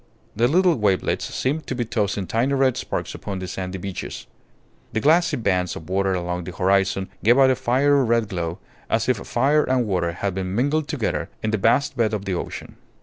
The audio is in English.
The little wavelets seemed to be tossing tiny red sparks upon the sandy beaches. The glassy bands of water along the horizon gave out a fiery red glow, as if fire and water had been mingled together in the vast bed of the ocean.